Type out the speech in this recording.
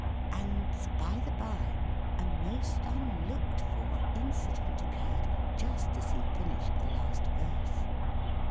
And, by the by, a most unlooked for incident occurred, just as he finished the last verse.